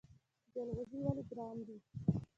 جلغوزي ولې ګران دي؟